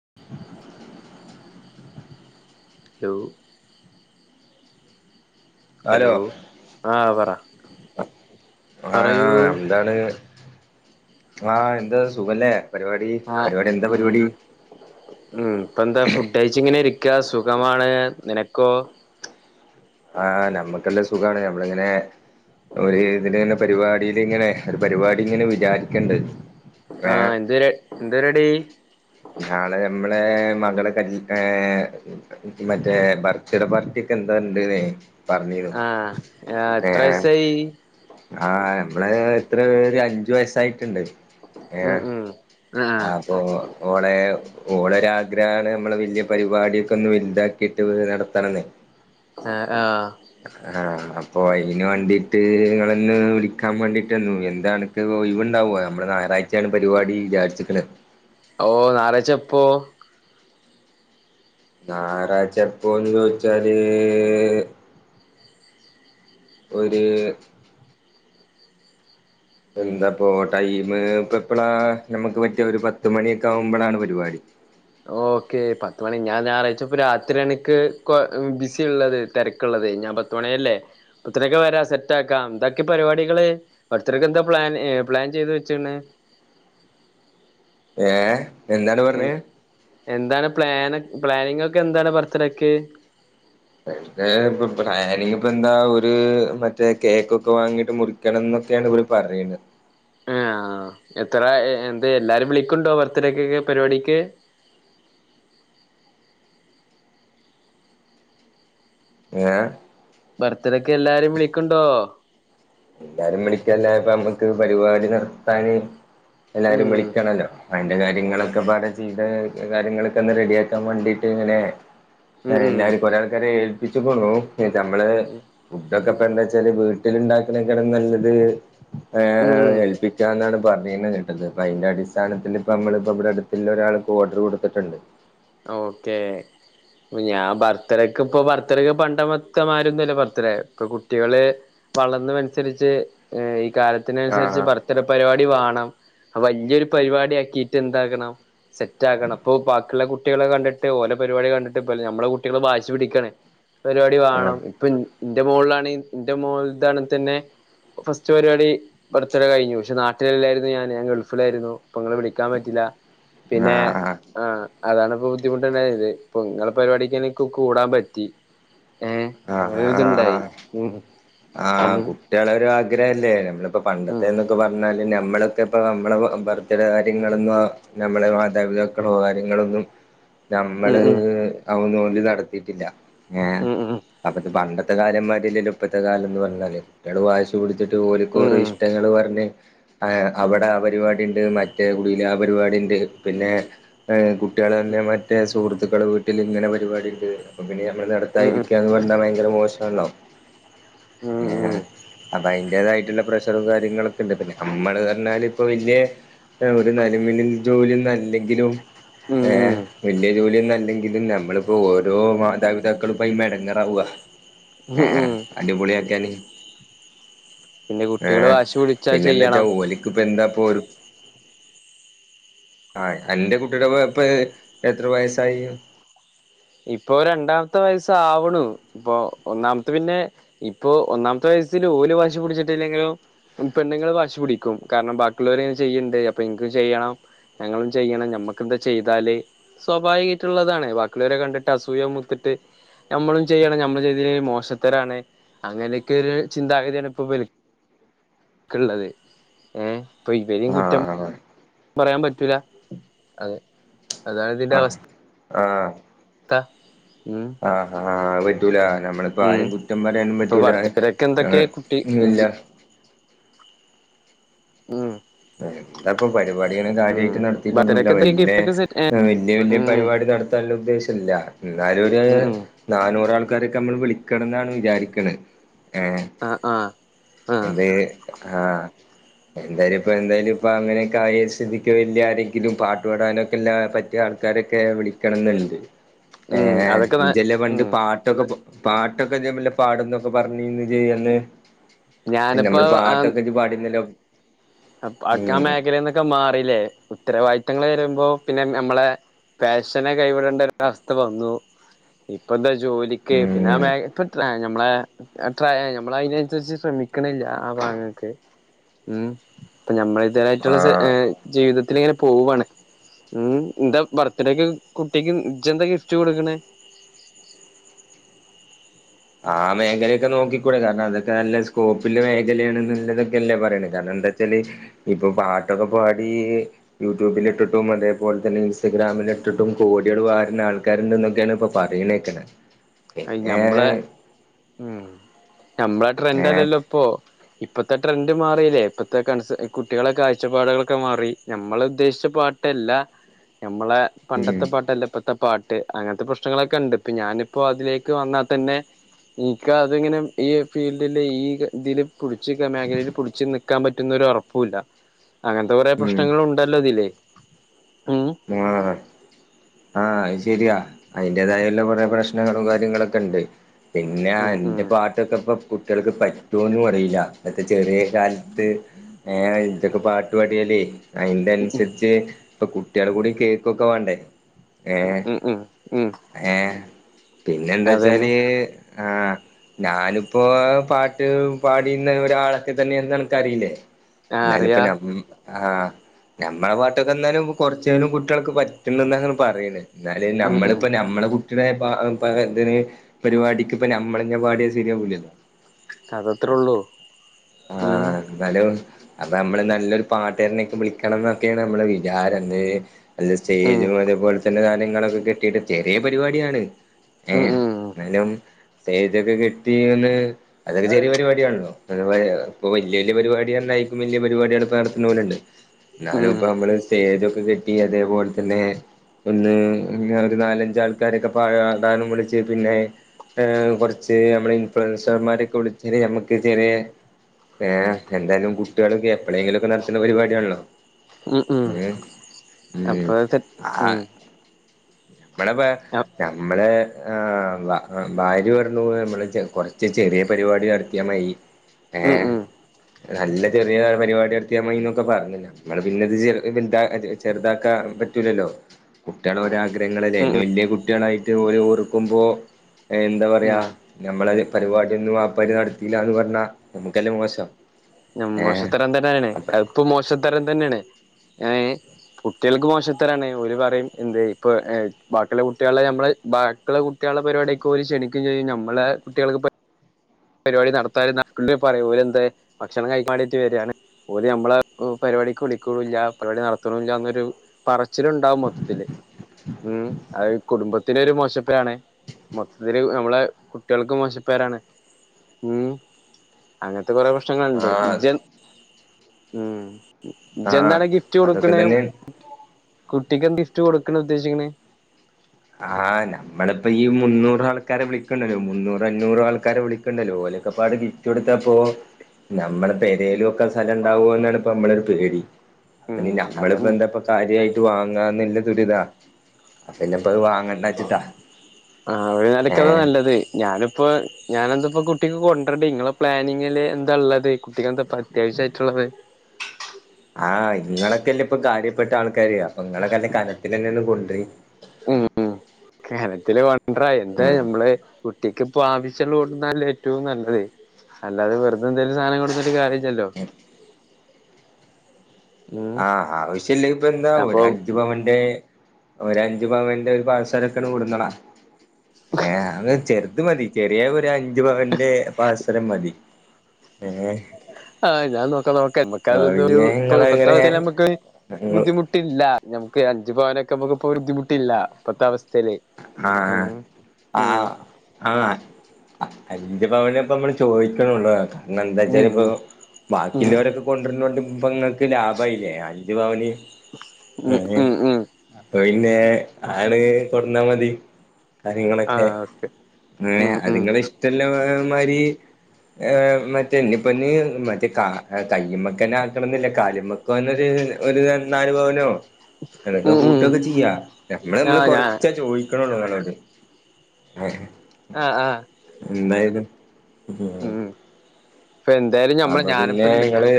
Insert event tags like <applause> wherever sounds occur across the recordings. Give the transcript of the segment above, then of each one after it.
<inaudible> Hello hello hello ആഹ് പറ പറയൂ ആഹ് എന്താണ് ആഹ് എന്താ സുഖല്ലേ പരിപാടി ആഹ് പരിപാടി എന്താ ഉം പരിപാടി കഴിച്ച്ങ്ങനെ ഇരിക്ക സുഖമാണ് നിനക്കോ ആഹ് നമ്മക്കെല്ലാം സുഖാണ് നമ്മളിങ്ങനെ ഒര് ഇതില്ങ്ങനെ പരിപാടീല് ഇങ്ങനെ ഒരു പരിപാടിങ്ങനെ വിചാരിക്ക്ണ്ട് ആഹ് എന്തര് എന്ത്‌രടി നാളെ നമ്മളെ മകളെ കല്ലി ഏഹ് മറ്റേ ബർത്ത്ഡേ പാർട്ടി ഒക്കെ എന്തോണ്ട്ന്നേ പറഞ്ഞീന്നു ആഹ് ആഹ് എത്ര ഏഹ് വയസായി ആഹ് നമ്മളെ എത്രേ ഒരഞ്ച് വയസ്സായിട്ട്ണ്ട് ഉം ഏഹ് ഉം ആഹ് അപ്പൊ ഓളെ ഓളരാഗ്രഹാണ് നമ്മള് വല്യ പരിപാടിയൊക്കൊന്ന് വല്താക്കിട്ട് നടത്തണന്ന് ഏഹ് ആഹ് ആഹ് അപ്പൊ അയിന് വാണ്ടീട്ട് നിങ്ങളോന്ന് വിളിക്കാ വേണ്ടീട്ടന്നു എന്താണ് ഒഴിവ്ണ്ടാവോ നമ്മള് ഞായറാഴ്ച്ചാണ് പരിപാടി വിചാരിച്ച്ക്ക്ണേ ഓഹ് ഞായറാഴ്ച്ച എപ്പോ ഞാറായ്ച്ച എപ്പോന്ന് ചോയ്ച്ചാല് ഒര് എന്താപ്പോ ടൈമ് ഇപ്പ എപ്പളാ നമക്ക് പറ്റാ ഒരു പത്തു മണിയൊക്കാവുമ്പളാണ് പരിപാടി ഓക്കെ പത്ത്മണി ഞാൻ ഞായറാഴ്ച്ചപ്പോ രാത്രിയാണ്ക്ക് കൊ ബിസിള്ളത് തെരക്ക്ള്ളതേ ഞാൻ പത്തു മണിയല്ലേ പത്തണിക്ക് വരാ സെറ്റാക്കാം എന്താക്കി പരിപാടികള് ബർത്ത്ഡേക്ക് എന്താ പ്ലാൻ പ്ലാൻ ചെയ്ത് വെച്ച്ണ് ഏഹ് എന്താണ് പറഞ്ഞേ എന്താണ് പ്ലാന് പ്ലാനിങ്ങോക്കെന്താണ് ബർത്ത്ഡേക്ക് അയിന്റെ ഇപ്പ പ്ലാനിങ്പ്പന്താ ഒരു മറ്റേ കേക്കൊക്കെ വാങ്ങീട്ട് മുറി ക്കണന്നൊക്കെയാണ് ഇവര് പറയ്ണത് ഏഹ് എത്ര എ എന്താ എല്ലാരിം വിളിക്ക്ണ്ടോ ബർത്ത്ഡേക്കൊക്കെ പരിപാടിക്ക് ഏഹ് ബർത്ത്ഡക്ക് എല്ലാരിം വിളിക്ക്ണ്ടോ എല്ലാരിം വിളിക്കല്ലാതെ ഇപ്പ നമക്ക് പരിപാടി നടത്താന് എല്ലാരിം ഉം വിളിക്കണല്ലോ അയിന്റെ കാര്യങ്ങളൊക്ക പാടെ ചെയ്ത കാര്യങ്ങളൊക്കൊന്ന് റെഡിയാക്കാൻ വേണ്ടീട്ട്ങ്ങനെ ഉം ഏഹ് ഉം എല്ലാരും കൊറെ ആൾക്കാരെ ഏൽപ്പിച്ച്ക്ക്ണു നമ്മളെ ഉം ഫുഡൊക്കെ ഇപ്പ എന്താ വച്ചാല് വീട്ടിലുണ്ടാക്കുന്നെക്കാളും നല്ലത് ഉം ഏൽപ്പിക്ക ന്നാണ് പറഞ്ഞിരുന്നത് കിട്ടത് അപ്പ അതിന്റെ അടിസ്ഥാനത്തിൽ ഇപ്പ നമ്മളിപ്പ ഇവിടെ അടുത്തുള്ള ഒരാൾക്ക് ഓർഡർ കൊടുത്തിട്ടുണ്ട്. ഓക്കേ ഞാൻ ബർത്ത്ഡേക്ക്പ്പൊ ബർത്ത്ഡേക്ക് പണ്ടത്തെമാരൊന്നല്ല ബർത്ത്ഡേ ഇപ്പൊ കുട്ടികള് വളർന്നു അനുസരിച്ച് ഈ കാലത്തിനനുസരിച്ച് ആഹ് ബർത് ത്ത്ഡേ പരിപാടി വാണം വല്ല്യോരു പരിപാടി ആക്കിയിട്ട് എന്താകണം സെറ്റാക്കണം അപ്പൊ ബാക്കിള്ള കു ട്ട്യാളെ കണ്ടിട്ട് ഓല പരിപാടി കണ്ട്ട്ട് ഇപ്പ നമ്മളെ കുട്ടികളും വാശി പിടിക്കാണ് പരിപാടി ആഹ് വാണം ഇപ്പന് ഇന്റെ മൊളാണെങ്കി ഇന്റെ മൊള്താണ്തന്നെ ഫസ്റ്റ് പരിപാടി ബർത്ത്ഡേ കഴിഞ്ഞു പക്ഷെ നാട്ടിലെല്ലായിരുന്നു ഞാൻ ഞാന് ഗൾഫിലായിരുന്നു അപ്പങ്ങളെ വിളി എത്താൻ പറ്റില്ല പിന്നെ ആഹ് ആഹ് അതാണ് ഇപ്പൊ ബുദ്ധിമുട്ടാണ്ടായിരത് ഇപ്പൊ നിങ്ങളെ പരിപാടിക്കന്നെ കൂടാൻ പറ്റി ഏ ആഹ് ആഹ് ആഹ് അങ്ങനെരിതുണ്ടായി ഉം ഉം കുട്ട്യ ഓരോ ആഗ്രഹല്ലേ നമ്മള്പ്പോ പണ്ടത്തെ എന്നൊക്കെ പറഞ്ഞാല് നമ്മള്. ഇപ്പ നമ്മളുടെ ബർത്ത്ഡേ കാര്യങ്ങളന്നോ നമ്മളുടെ മാതാപിതാക്കളോ കാര്യങ്ങളൊന്നും ഉം നമ്മള് ഉം അവ നോല്ല് നടത്തിയിട്ടില്ല ഏഹ് ഉം ഉം അപ്പത്തെ പണ്ടത്തെ കാലംമാതിരില്ലല്ല ഇപ്പഴത്തെ കാലം എന്ന് പറഞ്ഞാ ഞട് വായിച്ചു പിടിച്ചട്ട് ജോലിക്ക് ഉം ഉം ഓരോ ഇഷ്ടങ്ങൾ പറഞ്ഞ് ആഹ് അവിടെ ആ പരിപാടി ഉണ്ട് മറ്റേ കുടിൽ ആ പരിപാടി ഉണ്ട് പിന്നെ കുട്ടികെ തന്നെ മറ്റേ സുഹൃത്തുക്കൾ വീട്ടിൽ ഇങ്ങനെ പരിപാടി ഉണ്ട് അപ്പൊ പിന്നെ നഞമ്മള് ഉം ഉം ഉം നടത്തായിരിക്കാ ന്ത ഭയങ്കര മോശമാല്ലോ ഏഹ് ഉം അപ്പൊ അതിന്റ്തായിട്ടുള്ള പ്രഷറും കാര്യങ്ങളൊക്കെ ല്ലേ പിന്നെ നമ്മള് പറഞ്ഞാല് ഇപ്പൊ വല്യ ഒരു <unintelligible> ജോലിയൊന്നും അല്ലെങ്കിലും ഉം ഏഹ് വലിയ ജോലിയൊന്നും അല്ലെങ്കിലും നമ്മളിപ്പോ ഓരോ മാതാപിതാക്കളും പ്പൊയിമേ എടങ്ങേ ണ്ടവുക ഉം ഹ ഉം അടിപൊളിയക്കാന് പിന്നെ കുട്ടികള് ആഹ് വാശി പിടിച്ചാ പിന്നെ എന്താ വെച്ചാ ചെയ്യണം ഓലക്ക് ഇപ്പ എന്താപ്പൊ ഒരു ആഹ് എന്റെ കുട്ടിയുടെ ഇപ്പൊ എത്ര വയസ്സായി ഇപ്പൊ രണ്ടാമത്തെ വയസ ആവണു ഇപ്പൊ ഒന്നാമത്തെ പിന്നെ ഇപ്പൊ ഒന്നാമത്തെ വയസ്സിൽ ഓല്ല് വാശി പിടിച്ചിട്ടില്ലെങ്കില്ലും. ഉം പെണ്ണുങ്ങള് വാശു പിടിക്കും കാരണം ബാക്കിയുള്ളവര് ചെയ്യണ്ട് അപ്പൊ എനിക്ക് ചെയ്യണം. ഞങ്ങളും ചെയ്യണം മ്മക്ക എന്താ ചെയ്താല് സ്വാഭാവികമായിട്ടുള്ളതാണ് വാക്ക പള്ളേരെ കണ്ടിട്ട് അസൂയ മുത്തിട്ട് നമ്മളും ചെയ്യണം നമ്മൾ ചെയ്തിലങ്കിൽ മോശത്തരാണ് അങ്ങനെയൊക്കെ ഒരു ചിന്താഗതിയാണ് ഇപ്പോ വലക്കള്ളത് ഇപ്പൊ ഇവരെയും കുറ്റം ആഹ് പറയാൻ പറ്റൂല അതെ അതാണ് ഇതിന്റെ ആഹ് അവസ്ഥ ആഹ് ത്താ ആഹ് ആ ഹ്പറ്റൂല നമ്മളിപ്പോ ഉം ആരും കുറ്റം പറയാനും ഇപ്പൊ പറ്റൂല ബർത്ത്ഡേക്ക് എന്തൊക്കെ ഏഹ് കുട്ടി ഇല്ല ഉം എന്താപ്പ പരിപാടികും ഉം കാര്യമായിട്ട് നടത്തിട്ടൊന്നുമല്ല ബർത്ത്ഡേക്ക് വലിയ ഗിഫ്റ്റ് ഒക്കെ സെറ്റ് ഏ വലിയ വലിയ ഉം പരിപാടി നടത്താന ഉദ്ദേശമില്ല എന്നാല ഒരു ഉം ഉം നാനൂറാൾ ആക്കാരൊക്കെ നമ്മൾ വിളിക്കണം എന്നാണ് വിചാരിക്കുന്നത് ഏഹ് ആഹ് ആഹ് ആഹ് എ ആഹ് എന്താലും ഇപ്പോ എന്തായാലും ഇപ്പോ അങ്ങനെയൊകെ ആയസ്ഥിതിക്ക് വലിയ ആരെങ്കിലും പാട്ട് പാടാനൊക്കെല്ലാ പറ്റിയ ആൾക്കാരൊക്കെ വിളി എത്രണ്ണംണ്ട് ഉം ഏഹ് അതൊക്കെ ന ഇജ്ജ്ല്ലെ പണ്ട് ഉം പാട്ടൊക്കെ പാട്ടൊക്കെ ല്ല പാടന്നൊക്കെ പറഞ്ഞന്ന് ചെയ്യാന്നന്ന് ഞാനിപ്പോ നമ്മള് ആ പാട്ടൊക്കെ പാടുന്നല്ലോ ആ ഹ്മേഖലന്നൊക്കെ മാറില്ലേ ഉത്തരവാദിത്തങ്ങൾ വരുമ്പോ പിന്നെ നമ്മളെ ഫെഷനെ കൈവിടേണ്ട ഒര അവസ്ഥ വന്നു. ഇപ്പത്തെ ജോലിക്കേ പിന്നെ ഉം മ്മളെ ഇപ്പ ട്രാ ആഹ് ഞമ്മളെ നമ്മള അതിനനുസരിച്ച് ശ്രമിക്കണില്ല ആ ഭാഗങ്ങക്ക് ഉം അപ്പൊ നഞമ്മളെതരായിട്ടുള്ള ആഹ് ജീവിതത്തിൽ ഇങ്ങനെ പോവാണ് ഉം എന്താ ബർത്ത്ഡേക്ക് കുട്ടിക്ക് നിജെന്താ ഗിഫ്റ്റ് കൊടുക്കണേ ആ മേഖലയൊക്കെ നോക്കിക്കൂടെ കാരണം അതൊക്കെ നല്ല സ്കോപ്പില് മേഖലയാണ് ള്ളതൊക്കെ അല്ലേ പറയാണ് കാരണം എന്താ വച്ചല് ഇപ്പൊ പാട്ടൊക്കെ പാടി യൂട്യൂബിലിട്ടിട്ടും അതേപോലെ തന്നെ ഇൻസ്റ്റഗ്രാമിലിട്ടിട്ടും കോടികൾ വാരുന്ന ആൾക്കാര് ണ്ടന്നോക്കെയാണ് ഇപ്പോ പറയണേക്കനെ ഐ ഞമ്മളെ ഉം ഞമ്മളെ ഏ ട്രെൻഡല്ലല്ലോ ഇപ്പൊ. ഇപ്പത്തെ ട്രെൻഡ് മാറില്ലേ ഇപ്പത്തെ ആൺ കുട്ടികളെ കാഴ്ചപ്പാടുകളൊക്കെ മാറി നമ്മൾ ഉദ്ദേശിച്ച പാട്ട ട്ടല്ല ആ മ്മളെ പണ്ടത്തെ പാട്ട് അല്ലപ്പത്തെ പാട്ട് അങ്ങനത്തെ പ്രശ്നങ്ങളൊക്കെ ഉണ്ട് ഇപ്പൊ ഞാൻ അപ്പൊ അതിലേക്ക് വന്നാൽ തന്നെ എനിക്ക് അതിങ്ങനെ ഈ ഫീൽഡില് ഈ ഇതിൽ പിടിച്ച മേഖലയിൽ പിടിച്ചച്ച് നൽക്കാൻ പറ്റുന്ന ഒരു ഉറപ്പും ഇല്ല. അങ്ങനത്തെ കുറെേ ഉം പ്രശ്നങ്ങൾ ഉണ്ടല്ലോ അതില് ഉം <unintelligible> ആഹ് ശരിയാ അതിന്റെതായല്ല കുറെ പ്രശ്നങ്ങളും കാര്യങ്ങളൊക്കെ ഉണ്ട്. പിന്നെ ഉം ഉം എന്റെ പാട്ടൊക്കെ ഇപ്പൊ കുട്ടികൾക്ക് പറ്റുമന്നും അറിയില്ല എന്നത്തെ ചെറിയ കാലത്ത് ഏഹ് ഇജ്ജ്ക്കെ പാട്ട്പാടിയല്ലേ അതിന്റെ ഉം അനുസരിച്ച് ഇപ്പൊ കുട്ടികൾ കൂടി കേക്കൊക്കെ വേണ്ടേ ഏഹ് ഉം ഉം ഉം ഏഹ് പിന്നെ എന്താ അതന്നെ വെച്ചാല് ആഹ് ഞാനിപ്പോ പാട്ട് പാടുന്ന ഒരാളൊക്കെ തന്നെയന്ന് നനക്ക്റിയില്ലേ ആ എന്നാല ഇപ്പ അറിയാ ആ നഞമ്മളെ പാട്ടൊക്കെ ഇന്നാലും കൊറച്ചന കുട്ടികൾക്ക് പറ്റണ എന്നങ്ങെ പറയണ് എന്നാല് ഉം ഉം നമ്മളിപ്പ നമ്മളെ കുട്ടിയുടെ ഇന് പരിപാടിക്ക് ഇപ്പ നമ്മളെ പാടിയ ശരിയാവുലല്ലോ അതത്രള്ളൂ ഉം ആഹ് എന്നാലും അപ്പൊ നമ്മള് നല്ലൊരു പാട്ടാരനൊക്കെ വിളിക്കണം എന്നൊക്കെയാണ് നമ്മള വിചാരം ഏഹ് അല്ല ഉം സ്റ്റേജും അതേപോലെ തന്നെ സധാനയങ്ങളൊക്കെ കെട്ടിയിട്ട് ചെറിയ പരിപാടിയാണ് ഉം ഏഹ് ഉം എന്നാലും സ്റ്റേജ്ഒക്കെ കെട്ടിന്ന് അതൊക്കെ ചെറിയ പരിപാടിയാണല്ലോ ഇപ്പൊ വലിയ വലിയ പരിപാടി തായിരിക്കും വലിയ പരിപാടി അടുപ്പ നടത്തുന്നോലുണ്ട് എന്നാലും ഉം ഇപ്പ നമ്മള് സ്റ്റേജ ഒക്കെ കിട്ടി അതേപോലെ തന്നെ ഒന്ന് ഒരു നാലഞ്ചാൾക്കാരൊക്കെ പാടാനം വിളിച്ച് പിന്നെ കുറച്ച് നമ്മള് ഇൻഫ്ലുവൻസർമാരൊക്കെ വിളിച്ചല് നമ്മുക്ക് ചെറിയ ഏർ എന്തായാലും കുട്ടികളോക്കെ എപ്പോഴെങ്കിലുംക്കെ നടത്തുന്ന പരിപാടിയണല്ലോ ഉം ഉം ഏഹ് ഉം അപ്പൊ സെറ്റ് ആഹ് ഉം ബടെ പ്പ നമ്മെളെ ഭാര്യ പറഞ്ഞു പോ നമ്മള് കൊറച്ച് ചെറിയ പരിപാടി നട ത്തിയ മതി ഉം ഏഹ് ഉം നല്ല ചെറിയ പരിപാടി എടുത്തിയാമ്മന്നൊക്കെ പറഞ്ഞില്ല നമ്മള പിന്നെത് ചെറുതാക്കാൻ പറ്റൂലല്ലോ കുട്ടികള ഉം ഒരാഗ്രഹങ്ങളല്ലേന്ന് വല്യ കുട്ടികളായിട്ട് ഓല ഓർക്കുമ്പോ എന്താ പറയാ നമ്മളത് പരിപാടിയൊന്നും വാപ്പാര് നടത്തില്ല എന്ന് പറഞ്ഞാൽ നമക്കല്ല മോശം ഏ മോശത്തരം തന്നെയാണ് അപ്പ മോശം തരം തന്നെയാണ് ഏഹ് കുട്ടികൾക്ക് മോശത്തരാണ് ഓല് പറയും എന്ത് ഇപ്പ ബാക്കിയുള്ള കുട്ടികളില നമ്മളെ ബാക്കിള്ള കു കുട്ടികള പരിപാടിക്കോല് ക്ഷണിക്കും ചെയ്യും നമ്മള് കുട്ടികൾക്ക് പരിപാടി നടത്താനും പറയപോലെ എന്താ ഭക്ഷണം കഴിക്കാ വണ്ടിട്ട് വരാണ് ഓല് നമ്മള് പരിപാടിക്ക് വിളിക്കുന്നില്ല പരിപാടി നടത്തണില്ല എന്നരു പറ പർച്ചില്ഉണ്ടാവും മൊത്തത്തില് മ് അഹ് കുടുംബ മൊത്തത്തിലൊരു ഒരു മോശപ്പേരാണ് മൊത്തത്തില് നമ്മളെ കുട്ട്യാൾക്ക് മോശപ്പേരാണ് ഉം അങ്ങനത്തെ കൊറെ പ്രശ്നങ്ങൾുണ്ട് ആ ജ ഉം ആ ഇജ്ജന്താണ് ഗിഫ്റ്റ് അതൊക്കെ കൊടുക്കണ തന്നെയാണ് കുട്ടിക്ക് എന്ത ഗിഫ്റ്റ് കൊടുക്കണ ഉദ്ദേശിക്കണെ ആഹ് നമ്മളിപ്പോ ഈ മുന്നൂറ ആൾക്കാരെ വിളിക്കണ്ടല്ലോ മുന്നൂറഞ്ഞൂറ് ആൾക്കാരെ വിളി ണ്ടലോ ഓലൊക്കെപ്പാട് കിട്ട കൊടുത്തപ്പോ നമ്മളിപ്പോ ഏതേലും സ്ഥലുണ്ടാവുമ എന്നാണ് ഇപ്പ നമ്മളരു പേടി ഉം അപഞ് അത മ്മളിപ്പോ എന്താ കാര്യമായിട്ട് വാങ്ങാന്നല്ല ദുരിതാ അപ്പ ഞമ്മ ആഹ് ഒര് നെലെക്ക് അതാ ഏഹ് നല്ലത് ഞാനിപ്പോ ഞാനെന്താപ്പ കുട്ടിക്ക് കൊണ്ടരണ്ടേ ഇങ്ങളെ പ്ലാനിങ്ങില് എന്താ ഉള്ളത് കുട്ടിക്ക്ന്താപ്പ അത്യാവശ്യായിട്ടുള്ളത് ആഹ് ഇങ്ങളൊക്കെല്ലേ ഇപ്പൊ കാര്യപ്പെട്ട ആൾക്കാര് അപ്പൊ നിങ്ങളക്കന്നെ കനത്തിലന്നെ ആണ്ട് കൊൺറി ഏതെങ്കിലും കൊണ്ട എന്താ ഉം നമ്മള് കുട്ടിക്ക് ആവശ്യമുള്ള കൊണ്ടന്നല്ല ഏറ്റവും നല്ലത് അല്ലാതെ വെർതെ എന്തേലും സാനം കൊട് ന്നിട്ട് കാര്യല്ലല്ലോ. ആഹ് ആവശ്യമില്ല പിന്നെ എന്താ ഒരു അപ്പൊ അഞ്ചു പവൻ്റെ ഒരു അഞ്ചു പവന്റെ ഒരു പാദസരൊക്കെ കൂടുന്നളാ ഏഹ് അത് ഒരു ചെറുത് മതി ചെറിയ ഒരു അഞ്ച് ഒരു പവന്റെ പാൽസരം മതി ഏ ആഹ് ഞാൻ നോക്കാ നോക്കാ പിന്നെ നമക്ക്ത് ഇങ്ങള് എങ്ങനെ പ്പത്തവസ്ഥയില് നമ്മക്ക് ഇങ്ങള് ബുദ്ധിമുട്ട് ട്ടില്ല നമുക്ക് അഞ്ച് പവനൊക്കെ നമുക്ക് ഇപ്പ ബുദ്ധിമുട്ടില്ല ഇപ്പത്തെ അവസ്ഥ ആഹ് ഉം ആഹ് ആഹ് അഞ്ചു പവനിപ്പ നമ്മള് ചോദിക്കണള്ളോ കാരണം എന്താ വെച്ചാൽ ഇപ്പൊ ഉം ഉം ബാക്കിയുള്ളവരൊക്കെ കൊണ്ടുവരോണ്ട് ഇപ്പ നിങ്ങക്ക് ലാഭമായില്ലേ അഞ്ചു പവന് ഉം ആഹ് ഉം ഉം അപ്പൊ പിന്നെ ആണ് കൊടന്നാ മതി കാര്യങ്ങളൊക്കെ ആഹ് ഓക്കെ അങ്ങനെ ഉം ഉം അതുങ്ങള ഇഷ്ടമല്ല മാരി മറ്റേ ഞ്ഞിപ്പൊന്ന് മറ്റേ കാ കയ്യ്മക്കനെ ആക്കണംന്നില്ല കാല്മ ന്നൊ ഒരു നാല് പവാനോ ങ്ങക്ക് ഉം ഉം കൂട്ടൊക്കെ ചെയ്യാ നമ്മള് നമ്മള് ആഹ് ഞാൻ കൊറച്ചാ ചോദിക്കണള്ളൂ ങ്ങളോട് ഹേ ആഹ് ആഹ് നിന്നായാലും ഹേ ഇപ്പ എന്തായാല് അപ പിന്നെ നിങ്ങള്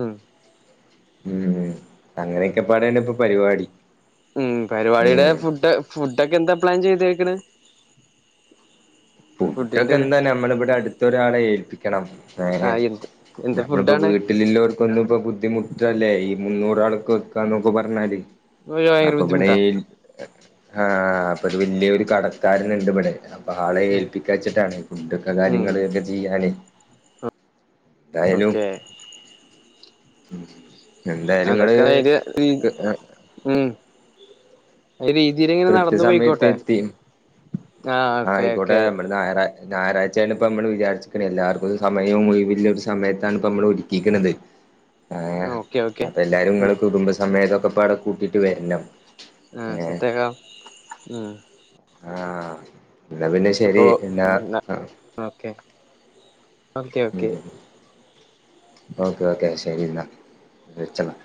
ഉം ഉം അങ്ങനെയൊക്കെ പാടണ് ഇപ്പൊ പരിപാടി ഉം പരിപാടിയുടെ ഉം ഫുഡ് ഫുഡ് ഒക്കെ എന്താ പ്ലാൻ ചെയ്തേക്കണ് ഫുഡൊകെ ഫുഡിന്റെത് എന്താ നമ്മളിവിടെ അടുത്തൊരാളെ ഏൽപ്പിക്കണം ഏ ആഹ് എന്ത് എന്ത് നമ്മളിപ്പോ ഫുഡാണ് വീട്ട വീട്ടിലുള്ളവർക്കൊന്നും ഇപ്പൊ ബുദ്ധിമുട്ടല്ലേ ഈ മുന്നൂറാൾക്ക് വെക്കാന്നൊക്കെ പറഞ്ഞാല് ഭയങ്കര അപ്പൊ ബുദ്ധിമുട്ടാ ഇവിടേയ് ആഹ അപ്പൊ അത്ഒരു വല്യ ഒരു കടക്കാരന്ണ്ട് ഇവിടെ അപ്പ ആളെഏൽ ഉം ച്ചിട്ടാണ് ഫുഡൊക്കെ ഉം കാര്യങ്ങള് ഒക്കെ ചെയ്യാന് എന്തായാലും ഓക്കെ എന്തായാലും നിങ്ങള് അതൊക്കെ അയിന്റെ ഏ ഉം രീതിൽ ഇങ്ങനെ നടന്നു കൃത്യസമയത്ത് പോയിക്കോട്ടെ എത്തി ആഹ് ഓക്കെ ഓക്കെ ഞായറ ഞായറാഴ്ചയാണ് ഇപ്പ നമ്മള് ഞാറാഴ്ച ആണിവിചാരിച്ക്കണെ എല്ലാർക്കും സമയവും ഒഴിവില്ല ഒരു സമയത്താണ് ഇപ്പ നമ്മള് ഒരുക്കിയിരിക്കണത്. ആഹ് ഓക്കെ ഓക്കെ അപ്പ എല്ലാരും ഇങ്ങളെ ഉം കുടുംബസമേതമൊക്കെ പാടെ കൂട്ടിട്ട് വരണം ആഹ് ഏഹ് സെറ്റാക്കം ആഹ് എന്നാ പിന്നെ ശരി അപ്പൊ എന്നാ ഓക്കെ ഓക്കെ ഓക്കെ ഉം ഓക്കെ ഓക്കെ ശരി ഇന്നാ വെച്ചളാ.